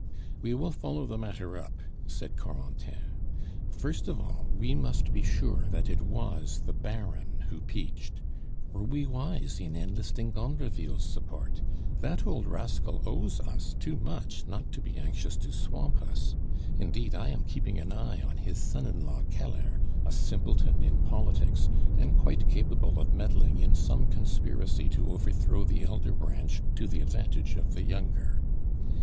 "We will follow the matter up," said Corentin. "First of all, we must be sure that it was the Baron who peached. Were we wise in enlisting Gondreville's support? That old rascal owes us too much not to be anxious to swamp us; indeed, I am keeping an eye on his son in law Keller, a simpleton in politics, and quite capable of meddling in some conspiracy to overthrow the elder Branch to the advantage of the younger.